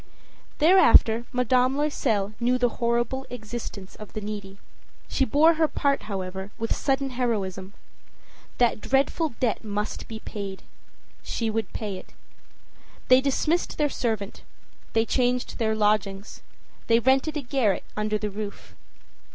Thereafter Madame Loisel knew the horrible existence of the needy. She bore her part, however, with sudden heroism. That dreadful debt must be paid. She would pay it. They dismissed their servant; they changed their lodgings; they rented a garret under the roof.